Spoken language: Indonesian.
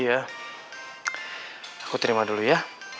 aku terima dulu ya